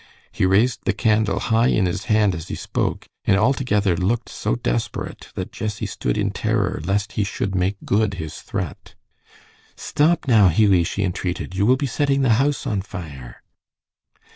He raised the candle high in his hand as he spoke, and altogether looked so desperate that Jessie stood in terror lest he should make good his threat. "Stop, now, Hughie," she entreated. "You will be setting the house on fire."